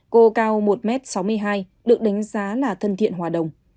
cô cao một m sáu mươi hai được đánh giá là thân thiện hòa đồng